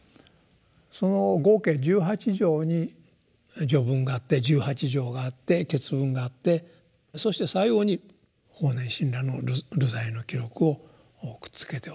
その合計十八条に「序文」があって十八条があって「結文」があってそして最後に法然親鸞の「流罪の記録」をくっつけておくと。